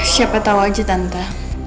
siapa tahu aja tante